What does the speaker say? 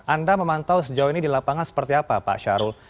anda memantau sejauh ini di lapangan seperti apa pak syahrul